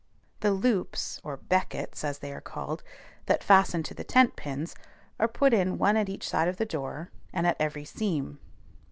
The loops (or "beckets" as they are called) that fasten to the tent pins are put in one at each side of the door and at every seam.